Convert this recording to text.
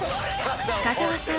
［深澤さん］